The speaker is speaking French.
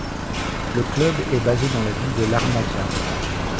Le club est basé dans la ville de Larnaca.